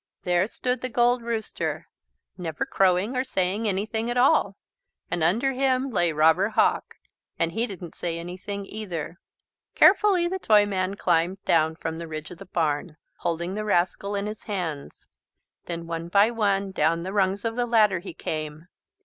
There stood the Gold Rooster, never crowing or saying anything at all. And under him lay Robber Hawk, and he didn't say anything either. Carefully the Toyman climbed down from the ridge of the barn, holding the rascal in his hands. Then one by one down the rungs of the ladder he came.